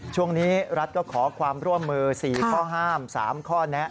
ช่วงนี้รัฐก็ขอความร่วมมือ๔ข้อห้าม๓ข้อแนะ